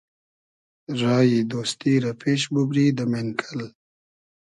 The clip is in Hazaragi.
رایی دۉستی رۂ پېش بوبری دۂ مېنکئل